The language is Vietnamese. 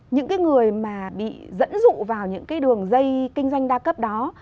những cái người mà bị dẫn dụ vào những cái đường dây kinh doanh đa cấp đó